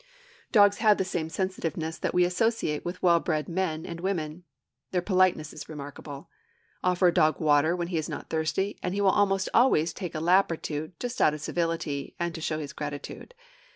Dogs have the same sensitiveness that we associate with well bred men and women. Their politeness is remarkable. Offer a dog water when he is not thirsty, and he will almost always take a lap or two, just out of civility, and to show his gratitude.